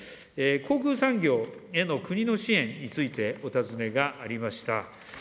航空産業への国の支援についてお尋ねがありました。